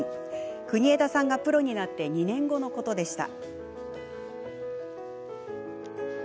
国枝さんがプロになって２年後のことでした。